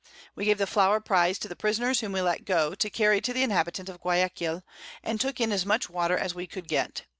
We gave the Flour Prize to the Prisoners whom we let go, to carry to the Inhabitants of Guiaquil, and took in as much Water as we could get.